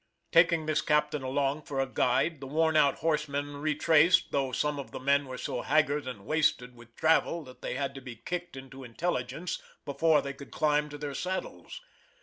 Taking this captain along for a guide, the worn out horsemen retraced, though some of the men were so haggard and wasted with travel that they had to be kicked into intelligence before they could climb to their saddles.